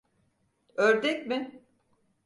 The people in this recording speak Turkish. Ördek mi?